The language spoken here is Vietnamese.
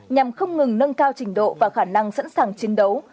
nhằm không ngừng nâng cao trình độ và khả năng sẵn sàng chiến đấu